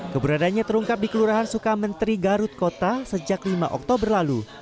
keberadaannya terungkap di kelurahan sukamenteri garut kota sejak lima oktober lalu